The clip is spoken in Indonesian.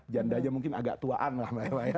janda aja mungkin agak tuaan lah